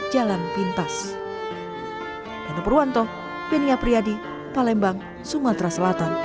dan jangan pernah ambil jalan pintas